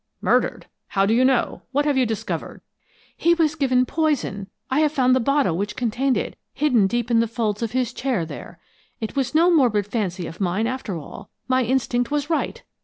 "Murdered! How do you know? What have you discovered?" "He was given poison! I have found the bottle which contained it, hidden deep in the folds of his chair there. It was no morbid fancy of mine after all; my instinct was right!